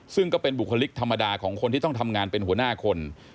ซึ่งก็เป็นบุคลิกธรรมดาของคนที่ต้องทำงานเป็นหัวหน้าคน